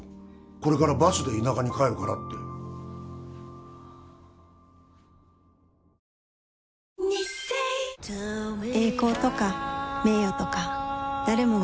「これからバスで田舎に帰るから」って納期は２週間後あぁ！！